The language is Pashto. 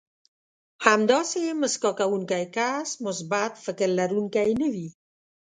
همداسې مسکا کوونکی کس مثبت فکر لرونکی نه وي.